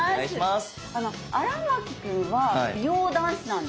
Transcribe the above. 荒牧君は美容男子なんですか？